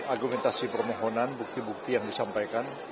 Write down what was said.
argumentasi permohonan bukti bukti yang disampaikan